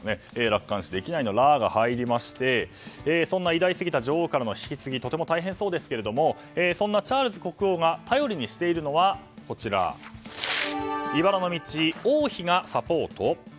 楽観視できないの「ラ」が入りましてそんな偉大すぎた女王からの引き継ぎとても大変そうですがそんなチャールズ国王が頼りにしているのはいばらの道、王妃がサポート？